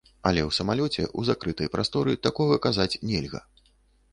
Але ў самалёце, у закрытай прасторы такога казаць нельга.